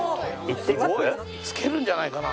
つけるんじゃないかな。